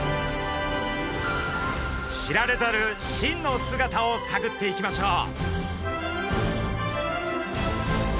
知られざる真の姿をさぐっていきましょう！